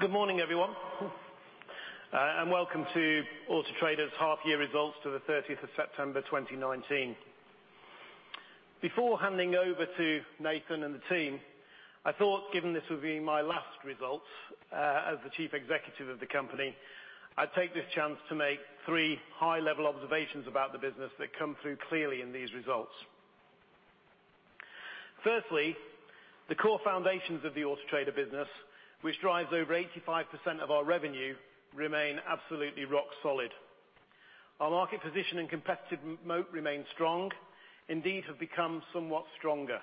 Good morning, everyone, and welcome to Auto Trader's half year results to the 30th of September 2019. Before handing over to Nathan and the team, I thought, given this will be my last results, as the Chief Executive Officer of the company, I'd take this chance to make three high-level observations about the business that come through clearly in these results. Firstly, the core foundations of the Auto Trader business, which drives over 85% of our revenue, remain absolutely rock solid. Our market position and competitive moat remain strong, indeed, have become somewhat stronger.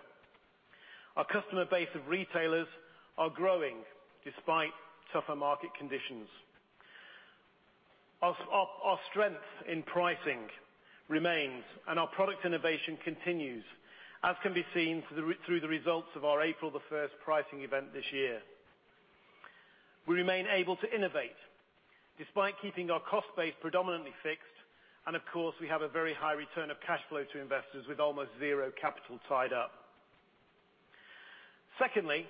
Our customer base of retailers are growing despite tougher market conditions. Our strength in pricing remains, and our product innovation continues, as can be seen through the results of our April 1st pricing event this year. We remain able to innovate despite keeping our cost base predominantly fixed, and of course, we have a very high return of cash flow to investors with almost zero capital tied up. Secondly,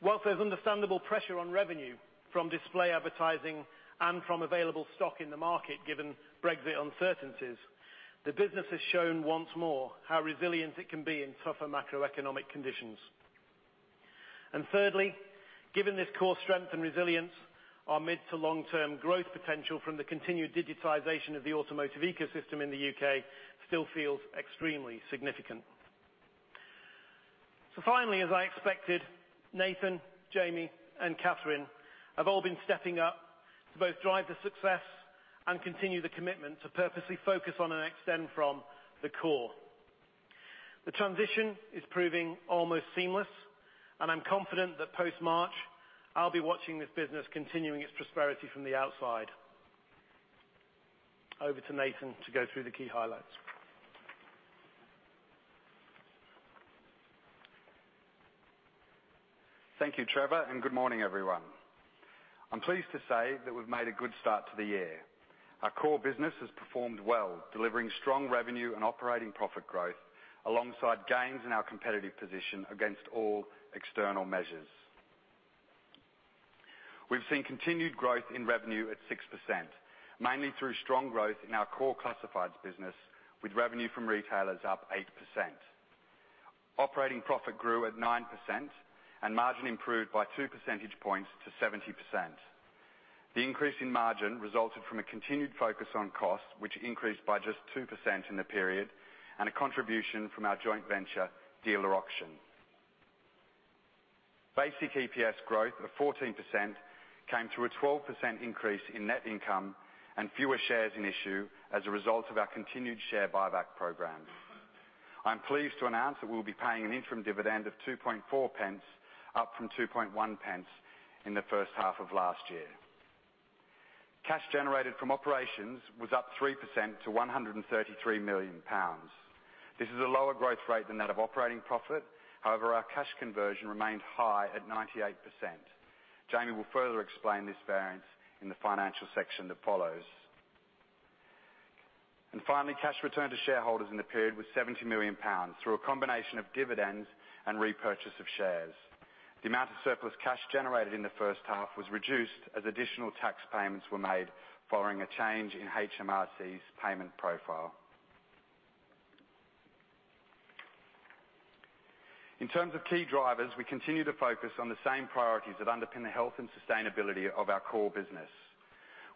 whilst there's understandable pressure on revenue from display advertising and from available stock in the market, given Brexit uncertainties, the business has shown once more how resilient it can be in tougher macroeconomic conditions. Thirdly, given this core strength and resilience, our mid to long-term growth potential from the continued digitization of the automotive ecosystem in the U.K. still feels extremely significant. Finally, as I expected, Nathan, Jamie, and Catherine have all been stepping up to both drive the success and continue the commitment to purposely focus on and extend from the core. The transition is proving almost seamless, and I'm confident that post-March, I'll be watching this business continuing its prosperity from the outside. Over to Nathan to go through the key highlights. Thank you, Trevor, and good morning, everyone. I'm pleased to say that we've made a good start to the year. Our core business has performed well, delivering strong revenue and operating profit growth alongside gains in our competitive position against all external measures. We've seen continued growth in revenue at 6%, mainly through strong growth in our core classifieds business, with revenue from retailers up 8%. Operating profit grew at 9%, and margin improved by two percentage points to 70%. The increase in margin resulted from a continued focus on cost, which increased by just 2% in the period, and a contribution from our joint venture Dealer Auction. Basic EPS growth of 14% came through a 12% increase in net income and fewer shares in issue as a result of our continued share buyback program. I'm pleased to announce that we'll be paying an interim dividend of 0.024, up from 0.021 in the first half of last year. Cash generated from operations was up 3% to 133 million pounds. This is a lower growth rate than that of operating profit. Our cash conversion remained high at 98%. Jamie will further explain this variance in the financial section that follows. Finally, cash returned to shareholders in the period was 70 million pounds through a combination of dividends and repurchase of shares. The amount of surplus cash generated in the first half was reduced as additional tax payments were made following a change in HMRC's payment profile. In terms of key drivers, we continue to focus on the same priorities that underpin the health and sustainability of our core business.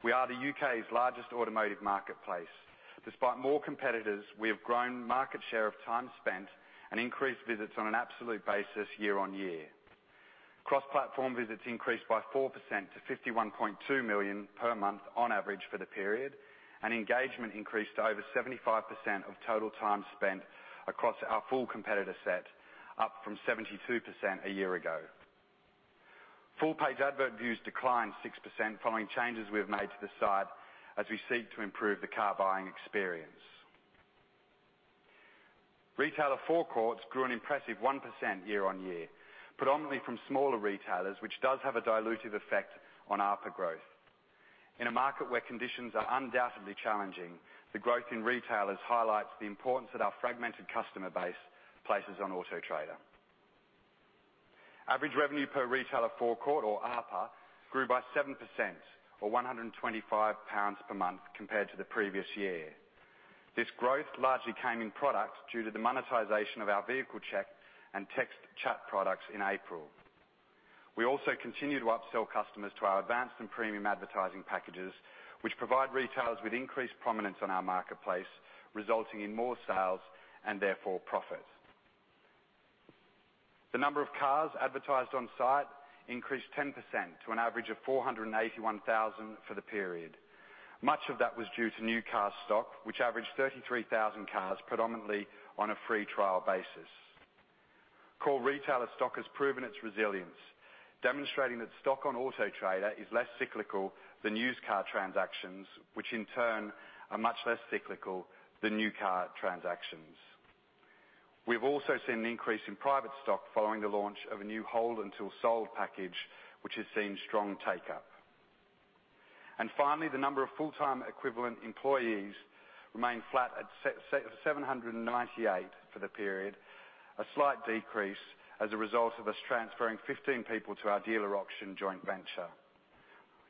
We are the U.K.'s largest automotive marketplace. Despite more competitors, we have grown market share of time spent and increased visits on an absolute basis year-over-year. Cross-platform visits increased by 4% to 51.2 million per month on average for the period, engagement increased to over 75% of total time spent across our full competitor set, up from 72% a year ago. Full page advert views declined 6% following changes we've made to the site as we seek to improve the car buying experience. Retailer forecourts grew an impressive 1% year-over-year, predominantly from smaller retailers, which does have a dilutive effect on ARPA growth. In a market where conditions are undoubtedly challenging, the growth in retailers highlights the importance that our fragmented customer base places on Auto Trader. Average revenue per retailer forecourt or ARPA grew by 7% or 125 pounds per month compared to the previous year. This growth largely came in product due to the monetization of our Vehicle Check and Text Chat products in April. We also continue to upsell customers to our advanced and premium advertising packages, which provide retailers with increased prominence on our marketplace, resulting in more sales and therefore profit. The number of cars advertised on-site increased 10% to an average of 481,000 for the period. Much of that was due to new car stock, which averaged 33,000 cars, predominantly on a free trial basis. Core retailer stock has proven its resilience, demonstrating that stock on Auto Trader is less cyclical than used car transactions, which in turn are much less cyclical than new car transactions. We've also seen an increase in private stock following the launch of a new hold until sold package, which has seen strong take-up. Finally, the number of full-time equivalent employees remained flat at 798 for the period, a slight decrease as a result of us transferring 15 people to our Dealer Auction joint venture.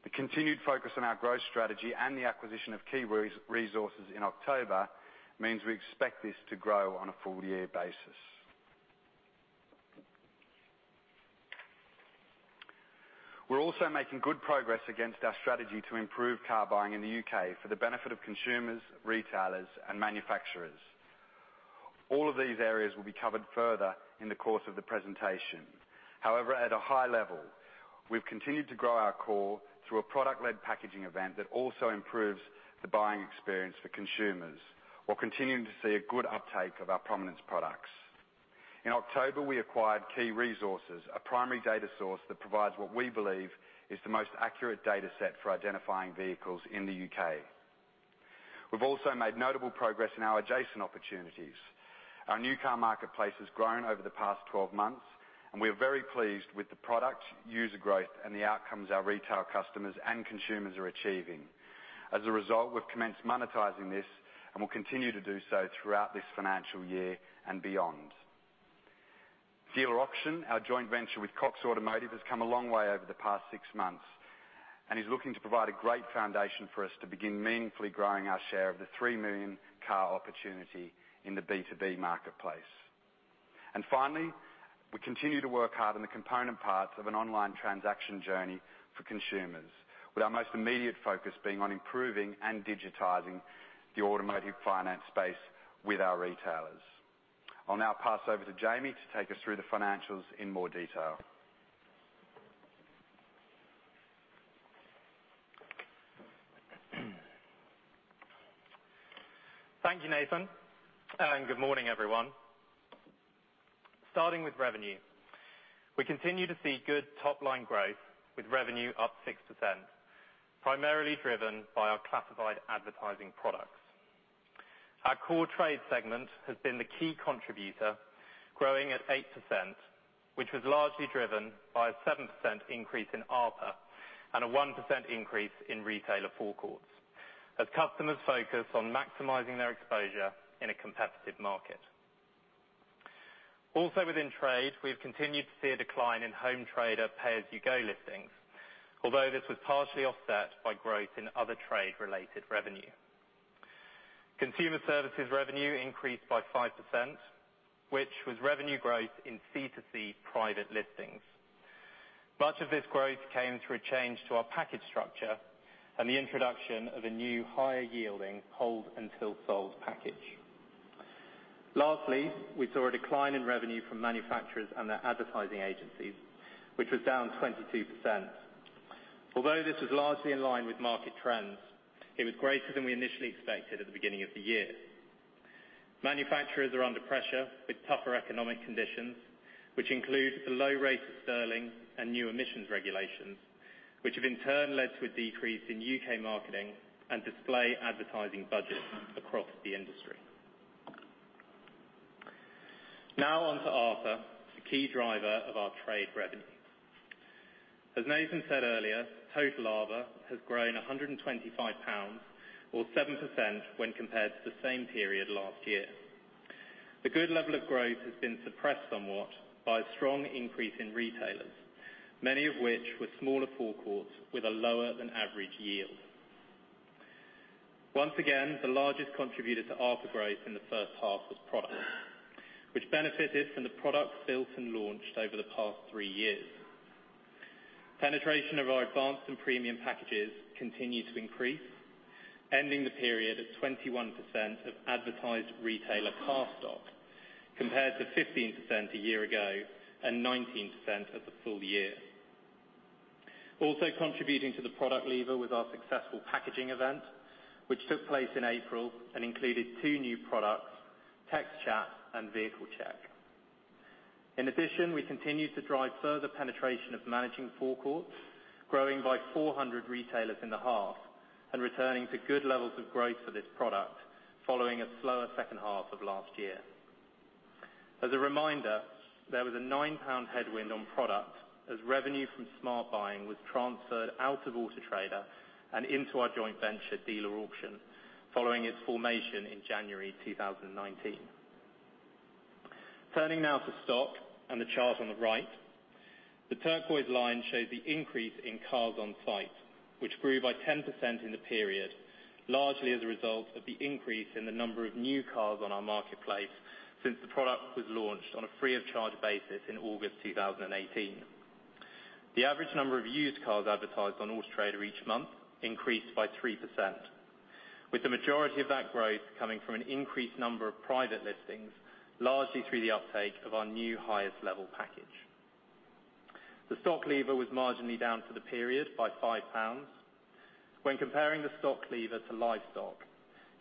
The continued focus on our growth strategy and the acquisition of KeeResources in October means we expect this to grow on a full year basis. We're also making good progress against our strategy to improve car buying in the U.K. for the benefit of consumers, retailers, and manufacturers. All of these areas will be covered further in the course of the presentation. However, at a high level, we've continued to grow our core through a product-led packaging event that also improves the buying experience for consumers, while continuing to see a good uptake of our prominence products. In October, we acquired KeeResources, a primary data source that provides what we believe is the most accurate data set for identifying vehicles in the U.K. We've also made notable progress in our adjacent opportunities. Our new car marketplace has grown over the past 12 months, and we are very pleased with the product, user growth, and the outcomes our retail customers and consumers are achieving. As a result, we've commenced monetizing this, and will continue to do so throughout this financial year and beyond. Dealer Auction, our joint venture with Cox Automotive, has come a long way over the past six months, and is looking to provide a great foundation for us to begin meaningfully growing our share of the 3 million car opportunity in the B2B marketplace. Finally, we continue to work hard on the component parts of an online transaction journey for consumers, with our most immediate focus being on improving and digitizing the automotive finance space with our retailers. I'll now pass over to Jamie to take us through the financials in more detail. Thank you, Nathan. Good morning, everyone. Starting with revenue, we continue to see good top-line growth, with revenue up 6%, primarily driven by our classified advertising products. Our core trade segment has been the key contributor, growing at 8%, which was largely driven by a 7% increase in ARPA and a 1% increase in retailer forecourts, as customers focus on maximizing their exposure in a competitive market. Also within trade, we've continued to see a decline in home trader pay-as-you-go listings. This was partially offset by growth in other trade-related revenue. Consumer services revenue increased by 5%, which was revenue growth in C2C private listings. Much of this growth came through a change to our package structure, and the introduction of a new higher yielding hold until sold package. Lastly, we saw a decline in revenue from manufacturers and their advertising agencies, which was down 22%. Although this was largely in line with market trends, it was greater than we initially expected at the beginning of the year. Manufacturers are under pressure with tougher economic conditions, which include the low rate of sterling and new emissions regulations, which have in turn led to a decrease in U.K. marketing and display advertising budgets across the industry. On to ARPA, the key driver of our trade revenue. As Nathan said earlier, total ARPA has grown GBP 125, or 7% when compared to the same period last year. The good level of growth has been suppressed somewhat by a strong increase in retailers, many of which were smaller forecourts with a lower than average yield. Once again, the largest contributor to ARPA growth in the first half was product, which benefited from the product built and launched over the past three years. Penetration of our advanced and premium packages continued to increase, ending the period at 21% of advertised retailer car stock, compared to 15% a year ago and 19% of the full year. Also contributing to the product lever was our successful packaging event, which took place in April and included two new products: Text Chat and Vehicle Check. In addition, we continued to drive further penetration of managing forecourts, growing by 400 retailers in the half, and returning to good levels of growth for this product following a slower second half of last year. As a reminder, there was a 9 pound headwind on product as revenue from Smart Buying was transferred out of Auto Trader and into our joint venture Dealer Auction following its formation in January 2019. Turning now to stock and the chart on the right. The turquoise line shows the increase in cars on site, which grew by 10% in the period, largely as a result of the increase in the number of new cars on our marketplace since the product was launched on a free of charge basis in August 2018. The average number of used cars advertised on Auto Trader each month increased by 3%, with the majority of that growth coming from an increased number of private listings, largely through the uptake of our new highest level package. The stock lever was marginally down for the period by 5 pounds. When comparing the stock lever to live stock,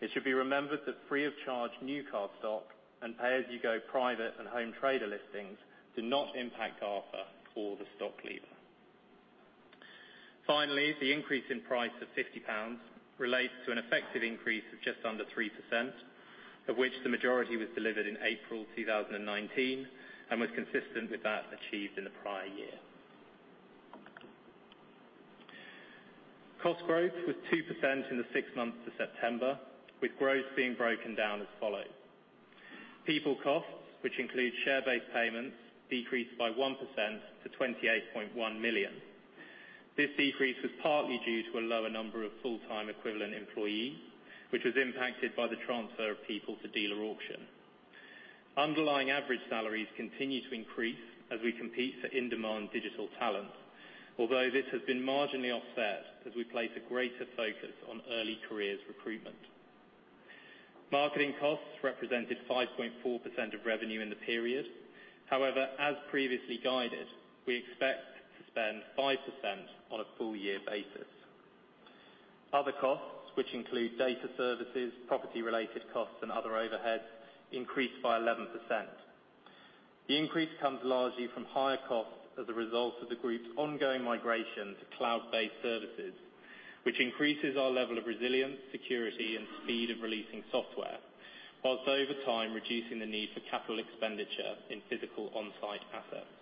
it should be remembered that free of charge new car stock and pay-as-you-go private and home trader listings do not impact ARPA or the stock lever. The increase in price of 50 pounds relates to an effective increase of just under 3%. Of which the majority was delivered in April 2019, and was consistent with that achieved in the prior year. Cost growth was 2% in the six months to September, with growth being broken down as follows. People costs, which include share-based payments, decreased by 1% to 28.1 million. This decrease was partly due to a lower number of full-time equivalent employees, which was impacted by the transfer of people to Dealer Auction. Underlying average salaries continue to increase as we compete for in-demand digital talent. This has been marginally offset as we place a greater focus on early careers recruitment. Marketing costs represented 5.4% of revenue in the period. As previously guided, we expect to spend 5% on a full year basis. Other costs, which include data services, property-related costs, and other overheads, increased by 11%. The increase comes largely from higher costs as a result of the group's ongoing migration to cloud-based services, which increases our level of resilience, security, and speed of releasing software, whilst over time reducing the need for capital expenditure in physical onsite assets.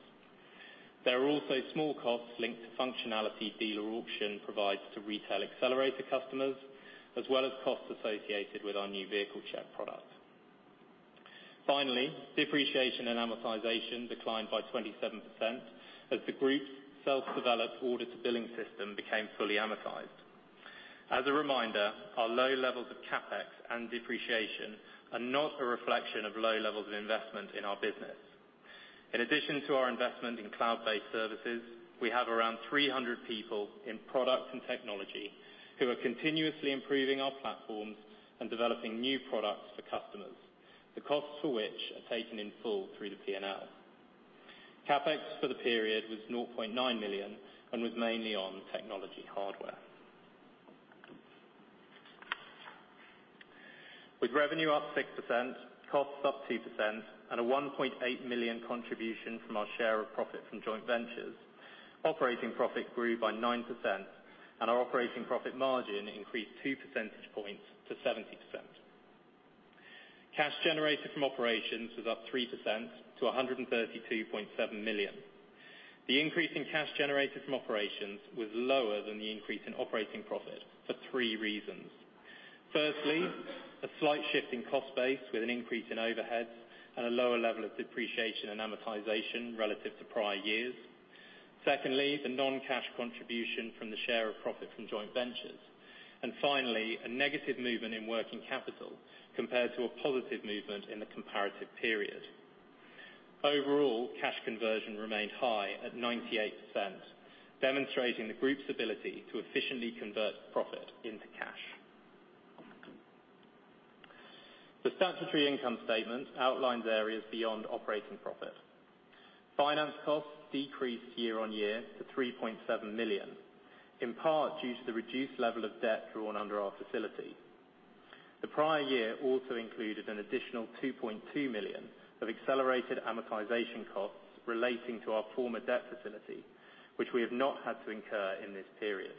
There are also small costs linked to functionality Dealer Auction provides to Retail Accelerator customers, as well as costs associated with our new Vehicle Check product. Finally, depreciation and amortization declined by 27% as the group's self-developed order-to-billing system became fully amortized. As a reminder, our low levels of CapEx and depreciation are not a reflection of low levels of investment in our business. In addition to our investment in cloud-based services, we have around 300 people in product and technology who are continuously improving our platforms and developing new products for customers, the costs for which are taken in full through the P&L. CapEx for the period was 0.9 million and was mainly on technology hardware. With revenue up 6%, costs up 2%, and a 1.8 million contribution from our share of profit from joint ventures, operating profit grew by 9% and our operating profit margin increased two percentage points to 70%. Cash generated from operations was up 3% to 132.7 million. The increase in cash generated from operations was lower than the increase in operating profit for three reasons. Firstly, a slight shift in cost base with an increase in overheads and a lower level of depreciation and amortization relative to prior years. Secondly, the non-cash contribution from the share of profit from joint ventures. Finally, a negative movement in working capital compared to a positive movement in the comparative period. Overall, cash conversion remained high at 98%, demonstrating the group's ability to efficiently convert profit into cash. The statutory income statement outlines areas beyond operating profit. Finance costs decreased year-on-year to 3.7 million, in part due to the reduced level of debt drawn under our facility. The prior year also included an additional 2.2 million of accelerated amortization costs relating to our former debt facility, which we have not had to incur in this period.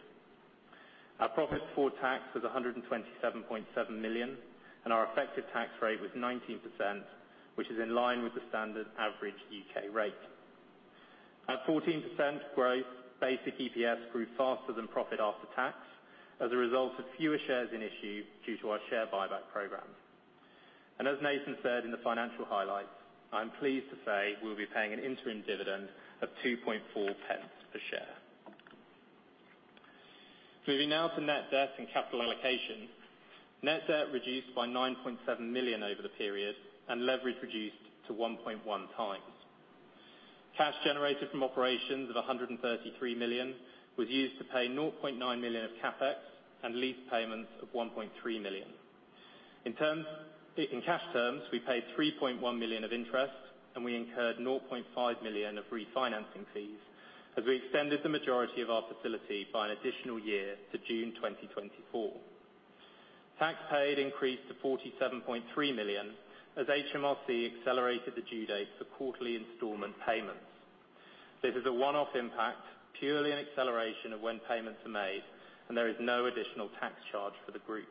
Our profit before tax was 127.7 million, and our effective tax rate was 19%, which is in line with the standard average U.K. rate. At 14% growth, basic EPS grew faster than profit after tax as a result of fewer shares in issue due to our share buyback program. As Nathan said in the financial highlights, I'm pleased to say we'll be paying an interim dividend of 0.024 per share. Moving now to net debt and capital allocation. Net debt reduced by 9.7 million over the period, and leverage reduced to 1.1 times. Cash generated from operations of 133 million was used to pay 0.9 million of CapEx and lease payments of 1.3 million. In cash terms, we paid 3.1 million of interest, and we incurred 0.5 million of refinancing fees as we extended the majority of our facility by an additional year to June 2024. Tax paid increased to 47.3 million as HMRC accelerated the due date for quarterly installment payments. This is a one-off impact, purely an acceleration of when payments are made, and there is no additional tax charge for the group.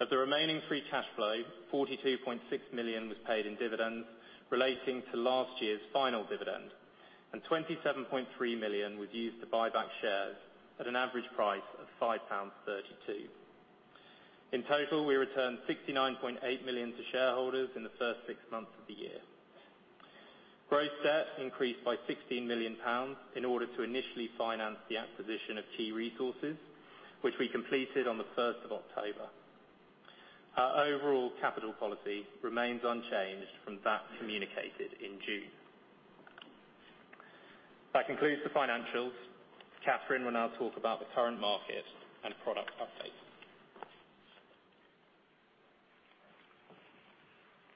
Of the remaining free cash flow, 42.6 million was paid in dividends relating to last year's final dividend, and 27.3 million was used to buy back shares at an average price of 5.32 pounds. In total, we returned 69.8 million to shareholders in the first six months of the year. Gross debt increased by GBP 16 million in order to initially finance the acquisition of KeeResources, which we completed on the 1st of October. Our overall capital policy remains unchanged from that communicated in June. That concludes the financials. Catherine will now talk about the current market and product updates.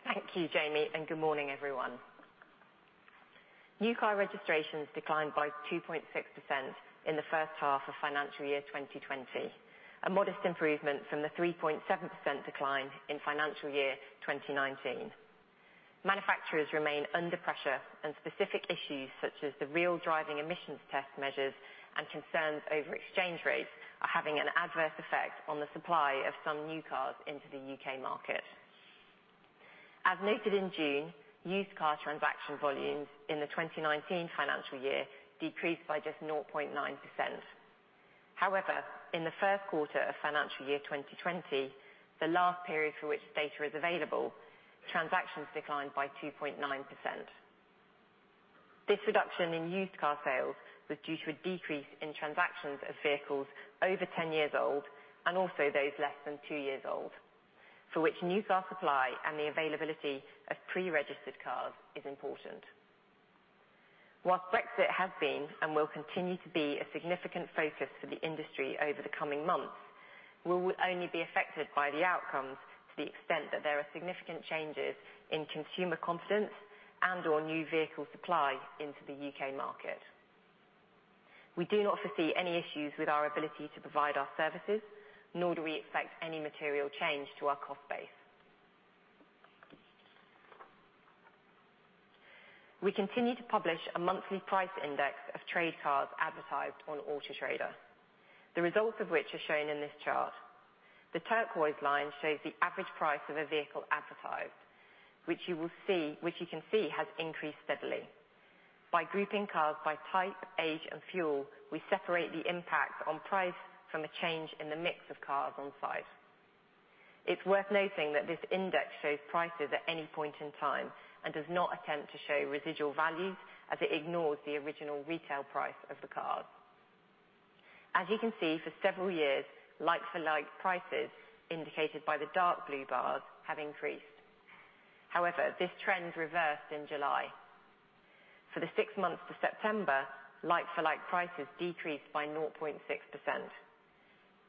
Thank you, Jamie. Good morning, everyone. New car registrations declined by 2.6% in the first half of financial year 2020, a modest improvement from the 3.7% decline in financial year 2019. Manufacturers remain under pressure. Specific issues such as the Real Driving Emissions test measures and concerns over exchange rates are having an adverse effect on the supply of some new cars into the U.K. market. As noted in June, used car transaction volumes in the 2019 financial year decreased by just 0.9%. However, in the first quarter of financial year 2020, the last period for which data is available, transactions declined by 2.9%. This reduction in used car sales was due to a decrease in transactions of vehicles over 10 years old and also those less than two years old, for which new car supply and the availability of pre-registered cars is important. Whilst Brexit has been and will continue to be a significant focus for the industry over the coming months, we will only be affected by the outcomes to the extent that there are significant changes in consumer confidence and/or new vehicle supply into the U.K. market. We do not foresee any issues with our ability to provide our services, nor do we expect any material change to our cost base. We continue to publish a monthly price index of trade cars advertised on Auto Trader, the results of which are shown in this chart. The turquoise line shows the average price of a vehicle advertised, which you can see has increased steadily. By grouping cars by type, age, and fuel, we separate the impact on price from a change in the mix of cars on site. It's worth noting that this index shows prices at any point in time and does not attempt to show residual values, as it ignores the original retail price of the cars. As you can see, for several years, like-for-like prices, indicated by the dark blue bars, have increased. However, this trend reversed in July. For the sixth month to September, like-for-like prices decreased by 0.6%.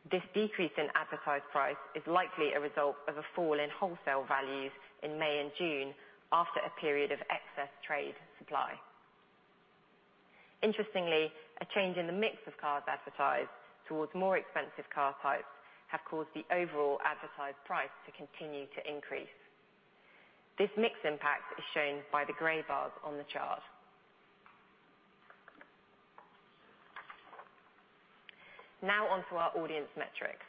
This decrease in advertised price is likely a result of a fall in wholesale values in May and June, after a period of excess trade supply. Interestingly, a change in the mix of cars advertised towards more expensive car types have caused the overall advertised price to continue to increase. This mix impact is shown by the gray bars on the chart. Now on to our audience metrics.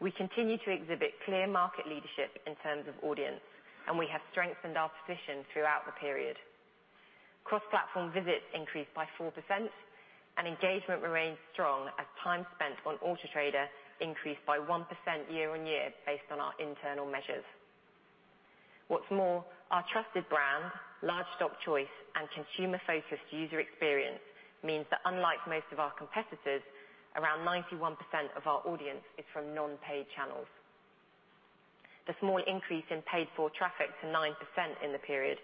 We continue to exhibit clear market leadership in terms of audience, and we have strengthened our position throughout the period. Cross-platform visits increased by 4%, and engagement remains strong as time spent on Auto Trader increased by 1% year-on-year based on our internal measures. What's more, our trusted brand, large stock choice, and consumer-focused user experience means that unlike most of our competitors, around 91% of our audience is from non-paid channels. The small increase in paid-for traffic to 9% in the period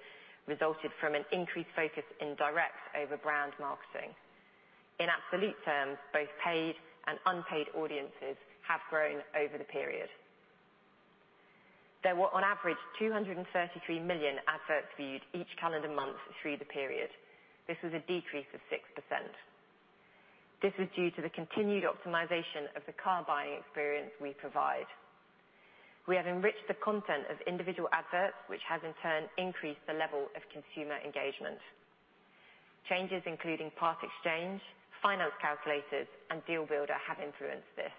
resulted from an increased focus in direct over brand marketing. In absolute terms, both paid and unpaid audiences have grown over the period. There were on average 233 million adverts viewed each calendar month through the period. This was a decrease of 6%. This was due to the continued optimization of the car buying experience we provide. We have enriched the content of individual adverts, which has in turn increased the level of consumer engagement. Changes including part exchange, finance calculators, and Deal Builder have influenced this.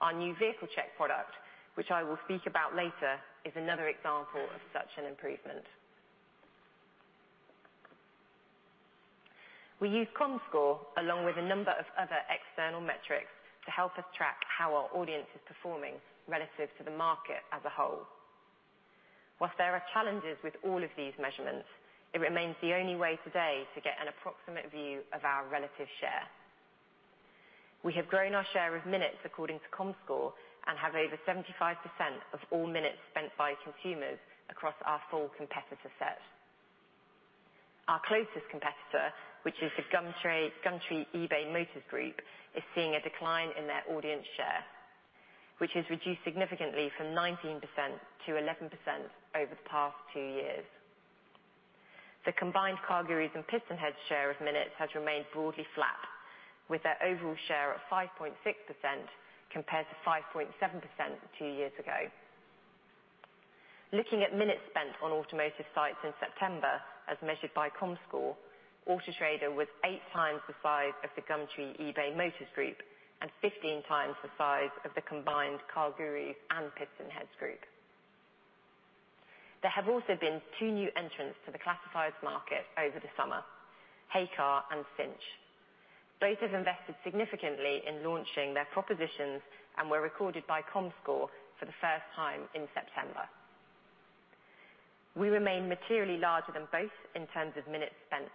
Our new Vehicle Check product, which I will speak about later, is another example of such an improvement. We use Comscore along with a number of other external metrics to help us track how our audience is performing relative to the market as a whole. While there are challenges with all of these measurements, it remains the only way today to get an approximate view of our relative share. We have grown our share of minutes according to Comscore and have over 75% of all minutes spent by consumers across our full competitor set. Our closest competitor, which is the eBay Motors Group, is seeing a decline in their audience share, which has reduced significantly from 19% to 11% over the past two years. The combined CarGurus and PistonHeads share of minutes has remained broadly flat, with their overall share of 5.6% compared to 5.7% two years ago. Looking at minutes spent on automotive sites in September as measured by Comscore, Auto Trader was eight times the size of the eBay Motors Group and 15 times the size of the combined CarGurus and PistonHeads group. There have also been two new entrants to the classifieds market over the summer, heycar and Cinch. Both have invested significantly in launching their propositions and were recorded by Comscore for the first time in September. We remain materially larger than both in terms of minutes spent.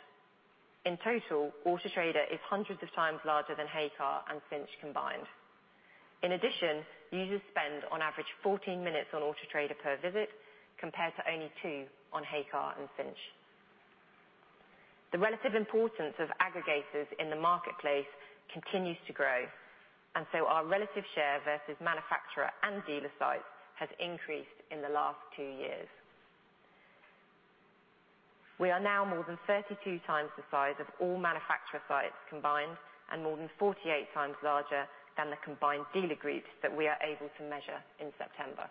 In total, Auto Trader is hundreds of times larger than heycar and Cinch combined. Users spend on average 14 minutes on Auto Trader per visit, compared to only two on heycar and Cinch. The relative importance of aggregators in the marketplace continues to grow, our relative share versus manufacturer and dealer sites has increased in the last two years. We are now more than 32 times the size of all manufacturer sites combined, and more than 48 times larger than the combined dealer groups that we are able to measure in September.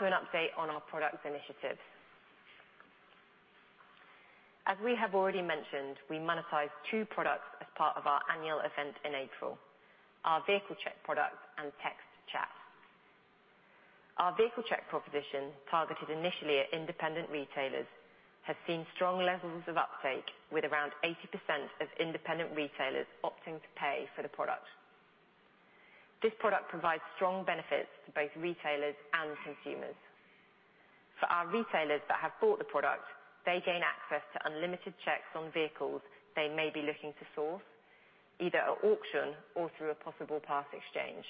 To an update on our products initiatives. As we have already mentioned, we monetized two products as part of our annual event in April, our Vehicle Check product and Text Chat. Our Vehicle Check proposition, targeted initially at independent retailers, has seen strong levels of uptake with around 80% of independent retailers opting to pay for the product. This product provides strong benefits to both retailers and consumers. For our retailers that have bought the product, they gain access to unlimited checks on vehicles they may be looking to source, either at auction or through a possible part exchange.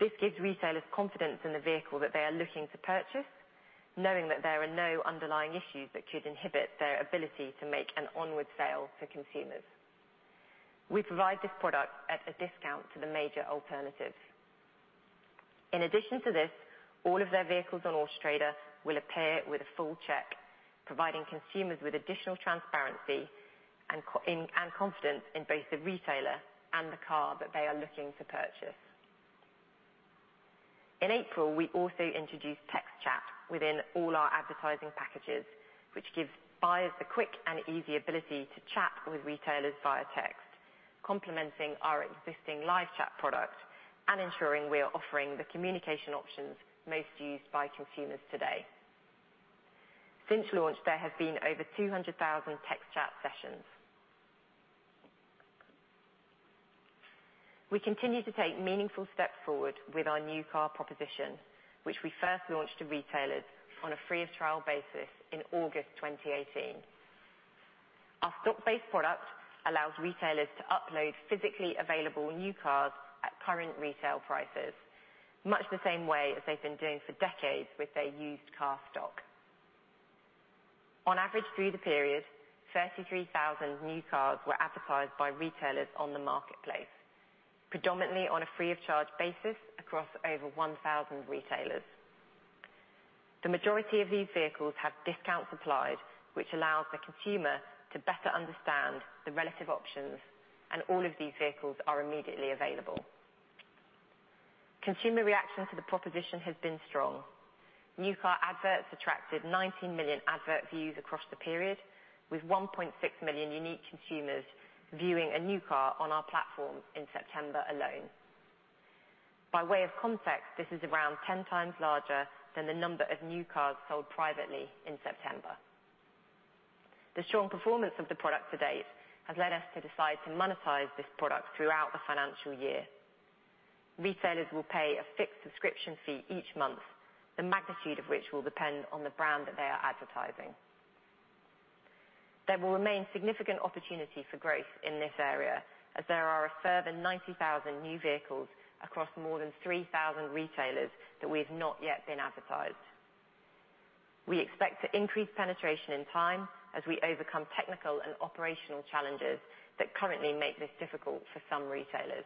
This gives retailers confidence in the vehicle that they are looking to purchase, knowing that there are no underlying issues that could inhibit their ability to make an onward sale to consumers. We provide this product at a discount to the major alternative. In addition to this, all of their vehicles on Auto Trader will appear with a full check, providing consumers with additional transparency and confidence in both the retailer and the car that they are looking to purchase. In April, we also introduced Text Chat within all our advertising packages, which gives buyers the quick and easy ability to chat with retailers via text, complementing our existing live chat product and ensuring we are offering the communication options most used by consumers today. Since launch, there have been over 200,000 Text Chat sessions. We continue to take meaningful steps forward with our new car proposition, which we first launched to retailers on a free trial basis in August 2018. Our stock-based product allows retailers to upload physically available new cars at current retail prices, much the same way as they've been doing for decades with their used car stock. On average through the period, 33,000 new cars were advertised by retailers on the marketplace, predominantly on a free of charge basis across over 1,000 retailers. The majority of these vehicles have discounts applied, which allows the consumer to better understand the relative options, and all of these vehicles are immediately available. Consumer reaction to the proposition has been strong. New car adverts attracted 19 million advert views across the period, with 1.6 million unique consumers viewing a new car on our platform in September alone. By way of context, this is around 10 times larger than the number of new cars sold privately in September. The strong performance of the product to date has led us to decide to monetize this product throughout the financial year. Retailers will pay a fixed subscription fee each month, the magnitude of which will depend on the brand that they are advertising. There will remain significant opportunity for growth in this area as there are a further 90,000 new vehicles across more than 3,000 retailers that we've not yet been advertised. We expect to increase penetration in time as we overcome technical and operational challenges that currently make this difficult for some retailers.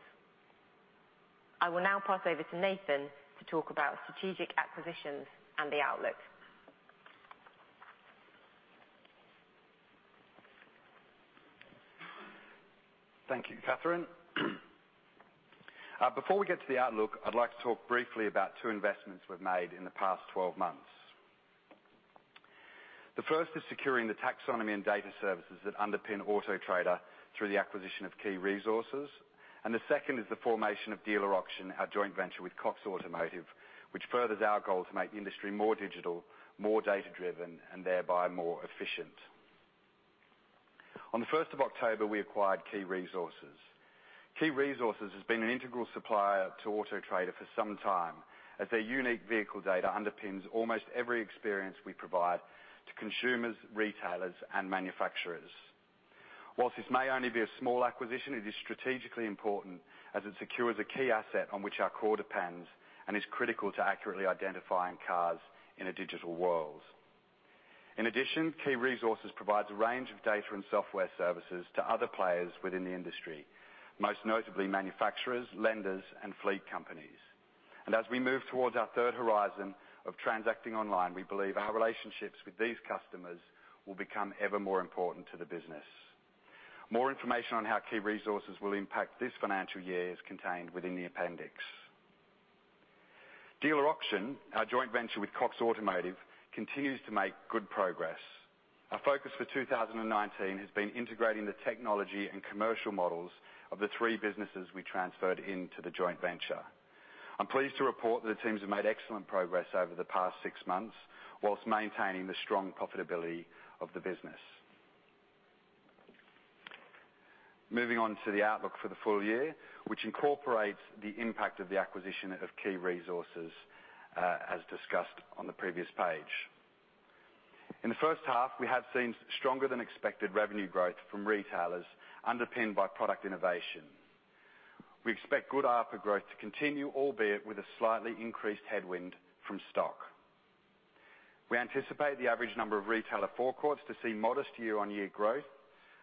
I will now pass over to Nathan to talk about strategic acquisitions and the outlook. Thank you, Catherine. Before we get to the outlook, I'd like to talk briefly about two investments we've made in the past 12 months. The first is securing the taxonomy and data services that underpin Auto Trader through the acquisition of KeeResources, and the second is the formation of Dealer Auction, our joint venture with Cox Automotive, which furthers our goal to make the industry more digital, more data-driven, and thereby more efficient. On the 1st of October, we acquired KeeResources. KeeResources has been an integral supplier to Auto Trader for some time, as their unique vehicle data underpins almost every experience we provide to consumers, retailers, and manufacturers. Whilst this may only be a small acquisition, it is strategically important as it secures a key asset on which our core depends and is critical to accurately identifying cars in a digital world. In addition, KeeResources provides a range of data and software services to other players within the industry, most notably manufacturers, lenders, and fleet companies. As we move towards our third horizon of transacting online, we believe our relationships with these customers will become ever more important to the business. More information on how KeeResources will impact this financial year is contained within the appendix. Dealer Auction, our joint venture with Cox Automotive, continues to make good progress. Our focus for 2019 has been integrating the technology and commercial models of the three businesses we transferred into the joint venture. I'm pleased to report that the teams have made excellent progress over the past six months while maintaining the strong profitability of the business. Moving on to the outlook for the full year, which incorporates the impact of the acquisition of KeeResources, as discussed on the previous page. In the first half, we have seen stronger than expected revenue growth from retailers underpinned by product innovation. We expect good offer growth to continue, albeit with a slightly increased headwind from stock. We anticipate the average number of retailer forecourts to see modest year-on-year growth,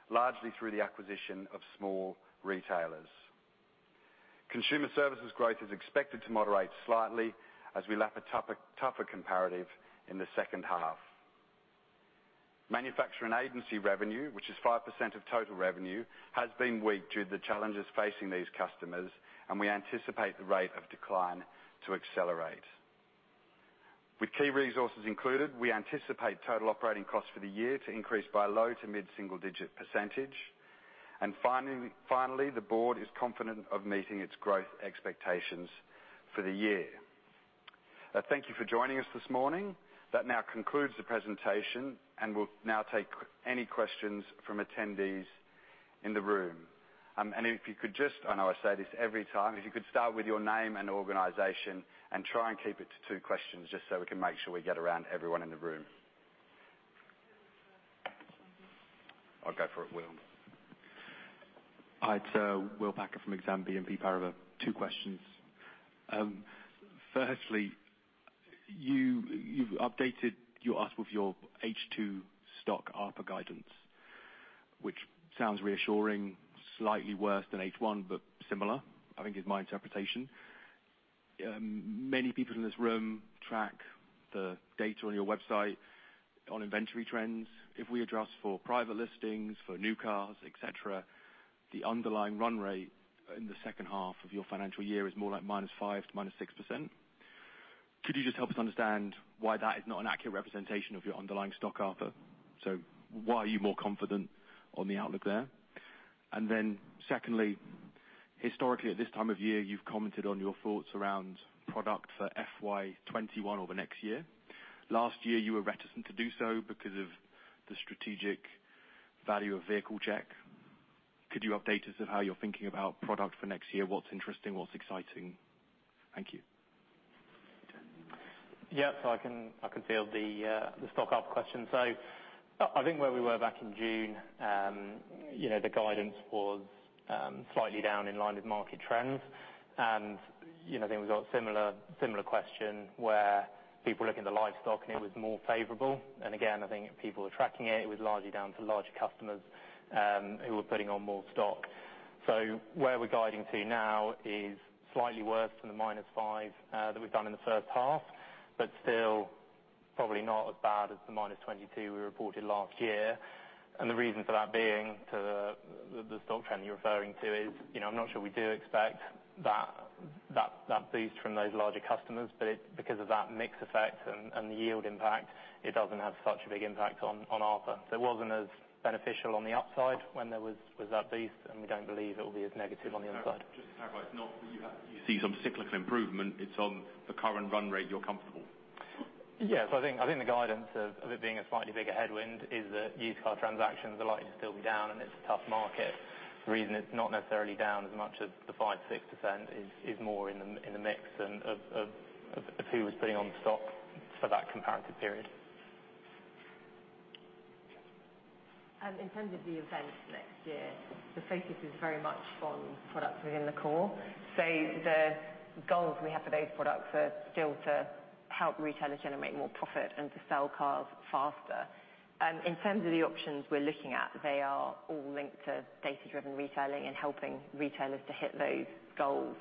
largely through the acquisition of small retailers. Consumer services growth is expected to moderate slightly as we lap a tougher comparative in the second half. Manufacturing agency revenue, which is 5% of total revenue, has been weak due to the challenges facing these customers. We anticipate the rate of decline to accelerate. With KeeResources included, we anticipate total operating costs for the year to increase by low to mid single digit percentage. Finally, the board is confident of meeting its growth expectations for the year. Thank you for joining us this morning. That now concludes the presentation, and we'll now take any questions from attendees in the room. If you could just, I know I say this every time, if you could start with your name and organization and try and keep it to two questions just so we can make sure we get around everyone in the room. Go for it, Will. Hi, it's Will Packer from Exane BNP Paribas. Two questions. Firstly, you've updated us with your H2 stock ARPU guidance, which sounds reassuring, slightly worse than H1, but similar, I think is my interpretation. Many people in this room track the data on your website on inventory trends. If we adjust for private listings, for new cars, et cetera, the underlying run rate in the second half of your financial year is more like -5% to -6%. Could you just help us understand why that is not an accurate representation of your underlying stock ARPU? Why are you more confident on the outlook there? Secondly, historically at this time of year, you've commented on your thoughts around product for FY 2021 over next year. Last year you were reticent to do so because of the strategic value of Vehicle Check. Could you update us of how you're thinking about product for next year? What's interesting, what's exciting? Thank you. I can field the stock ARPU question. I think where we were back in June, the guidance was slightly down in line with market trends. I think we got a similar question where people are looking at the live stock, and it was more favorable. Again, I think people are tracking it. It was largely down to larger customers who were putting on more stock. Where we're guiding to now is slightly worse than the -5% that we've done in the first half, but still probably not as bad as the -22% we reported last year. The reason for that being to the stock trend you're referring to is, I'm not sure we do expect that boost from those larger customers, but because of that mix effect and the yield impact, it doesn't have such a big impact on ARPU. It wasn't as beneficial on the upside when there was that boost, and we don't believe it will be as negative on the other side. Just to clarify, you see some cyclical improvement. It's on the current run rate you're comfortable. Yeah. I think the guidance of it being a slightly bigger headwind is that used car transactions are likely to still be down, and it's a tough market. The reason it's not necessarily down as much as the 5%-6% is more in the mix of who was putting on stock for that comparative period. In terms of the events next year, the focus is very much on products within the core. The goals we have for those products are still to help retailers generate more profit and to sell cars faster. In terms of the options we're looking at, they are all linked to data-driven retailing and helping retailers to hit those goals.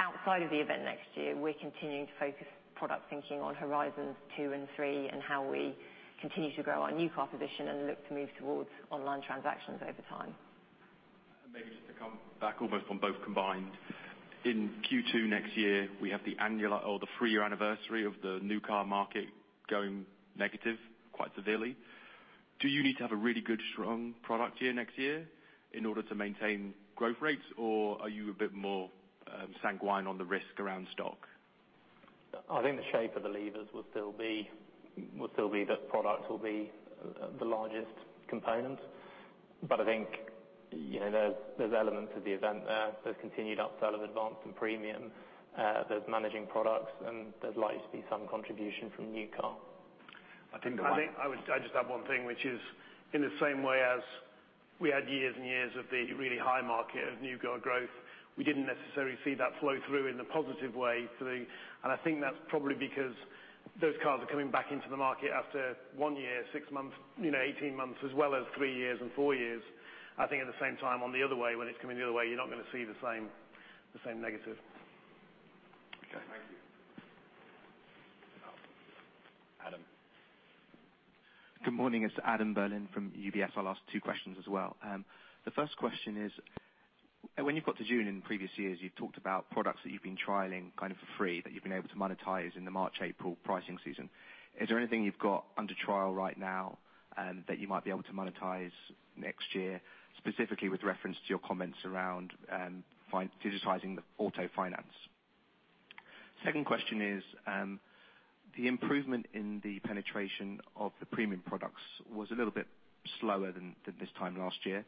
Outside of the event next year, we're continuing to focus product thinking on horizons two and three and how we continue to grow our new car position and look to move towards online transactions over time. Maybe just to come back almost on both combined. In Q2 next year, we have the three-year anniversary of the new car market going negative quite severely. Do you need to have a really good, strong product year next year in order to maintain growth rates, or are you a bit more sanguine on the risk around stock? I think the shape of the levers will still be that products will be the largest component. I think there's elements of the event there. There's continued upsell of advanced and premium. There's managing products, and there's likely to be some contribution from new car. I think I would just add one thing, which is in the same way as we had years and years of the really high market of new car growth, we didn't necessarily see that flow through in a positive way through. I think that's probably because those cars are coming back into the market after one year, six months, 18 months, as well as three years and four years. I think at the same time, on the other way, when it's coming the other way, you're not going to see the same negative. Okay. Thank you. Adam. Good morning. It's Adam Berlin from UBS. I'll ask two questions as well. The first question is, when you've got to June in previous years, you've talked about products that you've been trialing for free that you've been able to monetize in the March-April pricing season. Is there anything you've got under trial right now that you might be able to monetize next year, specifically with reference to your comments around digitizing the auto finance? Second question is, the improvement in the penetration of the premium products was a little bit slower than this time last year.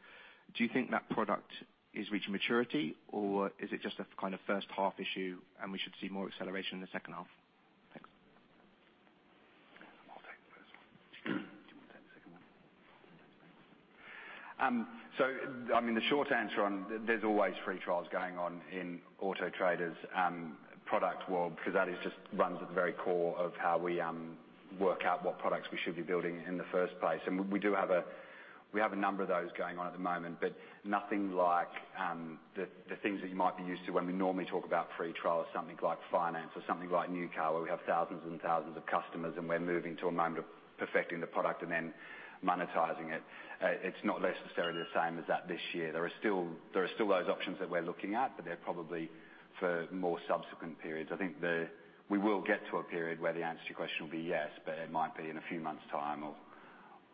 Do you think that product is reaching maturity, or is it just a first half issue and we should see more acceleration in the second half? Thanks. The short answer on, there's always free trials going on in Auto Trader's product world, because that just runs at the very core of how we work out what products we should be building in the first place. We do have a number of those going on at the moment, but nothing like the things that you might be used to when we normally talk about free trials, something like finance or something like New Car, where we have thousands and thousands of customers and we're moving to a moment of perfecting the product and then monetizing it. It's not necessarily the same as that this year. There are still those options that we're looking at, but they're probably for more subsequent periods. I think we will get to a period where the answer to your question will be yes, but it might be in a few months' time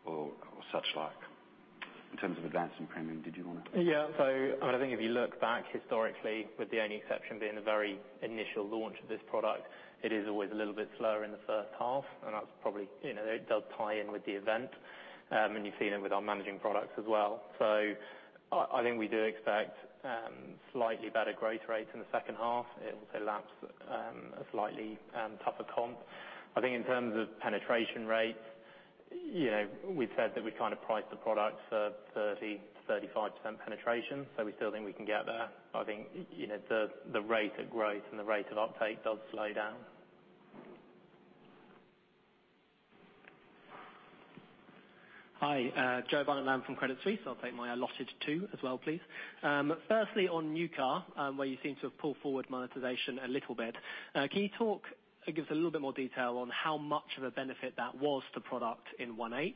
or such like. In terms of advancing premium, did you want to? I think if you look back historically, with the only exception being the very initial launch of this product, it is always a little bit slower in the first half. It does tie in with the event. You've seen it with our managing forecourts as well. I think we do expect slightly better growth rates in the second half. It also laps a slightly tougher comp. I think in terms of penetration rates, we've said that we price the products at 30%-35% penetration. We still think we can get there. I think the rate of growth and the rate of uptake does slow down. Hi, Joe Barnet-Lamb from Credit Suisse. I will take my allotted two as well, please. Firstly, on New Car, where you seem to have pulled forward monetization a little bit. Can you talk, or give us a little bit more detail on how much of a benefit that was to product in 1H?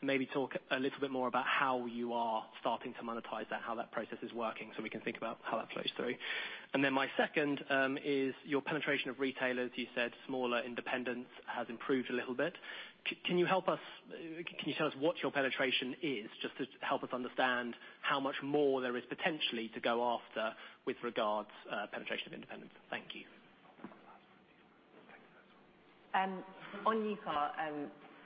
Maybe talk a little bit more about how you are starting to monetize that, how that process is working, so we can think about how that flows through. My second is your penetration of retailers. You said smaller independents has improved a little bit. Can you tell us what your penetration is, just to help us understand how much more there is potentially to go after with regards to penetration of independents? Thank you. On New Car,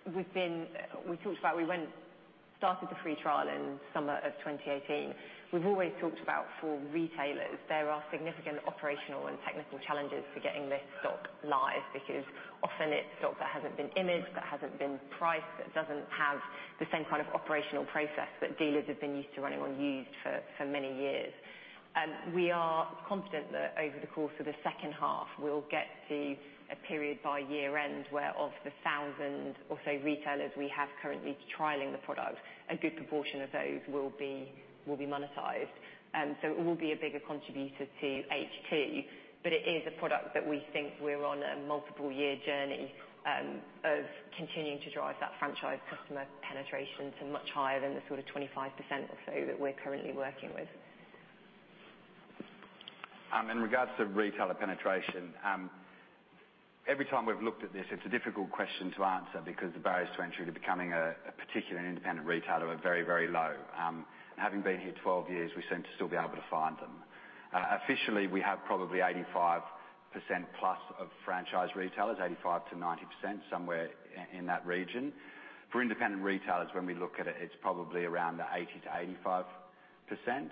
we started the free trial in the summer of 2018. We've always talked about for retailers, there are significant operational and technical challenges to getting this stock live, because often it's stock that hasn't been imaged, that hasn't been priced, that doesn't have the same kind of operational process that dealers have been used to running on Used for many years. We are confident that over the course of the second half, we'll get to a period by year end where of the 1,000 or so retailers we have currently trialing the product, a good proportion of those will be monetized. It will be a bigger contributor to H2, but it is a product that we think we're on a multiple year journey of continuing to drive that franchise customer penetration to much higher than the 25% or so that we're currently working with. In regards to retailer penetration, every time we've looked at this, it's a difficult question to answer because the barriers to entry to becoming a particular independent retailer are very low. Having been here 12 years, we seem to still be able to find them. Officially, we have probably 85% plus of franchise retailers, 85 to 90%, somewhere in that region. For independent retailers, when we look at it's probably around the 80 to 85%.